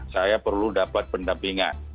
saya perlu dapat pendampingan